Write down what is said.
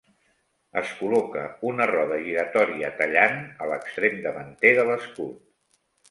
Es col·loca una roda giratòria tallant a l'extrem davanter de l'escut.